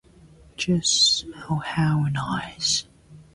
Just smell how nice.